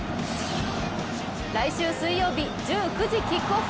来週水曜日１９時キックオフ！